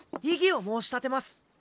異議を申し立てます。